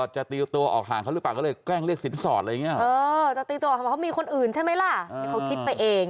จะตีตัวออกห่างเขาหรือเปล่า